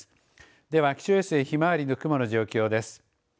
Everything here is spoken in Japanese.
では気象衛星ひまわりの雲の状況です。